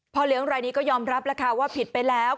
พอเหลืองรายนี้ก็ยอมรับว่าผิดไปแล้ว